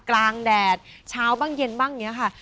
กลางแดดเช้าบ้างเย็นบ้างเนี่ยค่ะ